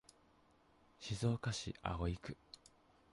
静岡市葵区